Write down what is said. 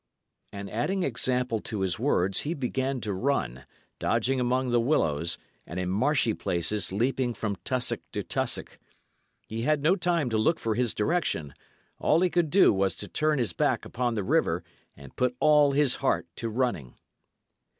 And adding example to his words, he began to run, dodging among the willows, and in marshy places leaping from tussock to tussock. He had no time to look for his direction; all he could do was to turn his back upon the river, and put all his heart to running.